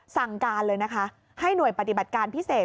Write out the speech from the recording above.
สั่งการเลยนะคะให้หน่วยปฏิบัติการพิเศษ